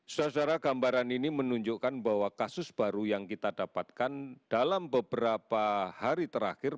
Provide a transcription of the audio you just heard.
saudara saudara gambaran ini menunjukkan bahwa kasus baru yang kita dapatkan dalam beberapa hari terakhir